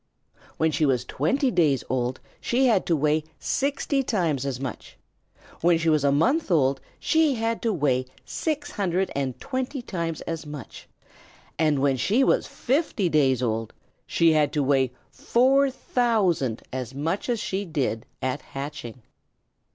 When she was twenty days old she had to weigh sixty times as much; when she was a month old she had to weigh six hundred and twenty times as much; and when she was fifty days old she had to weigh four thousand times as much as she did at hatching.